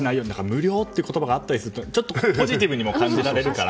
無料という言葉があったりするとちょっとポジティブに感じられるから。